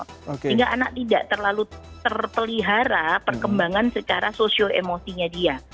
sehingga anak tidak terlalu terpelihara perkembangan secara sosio emosinya dia